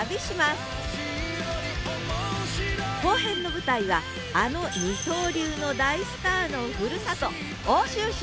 後編の舞台はあの二刀流の大スターのふるさと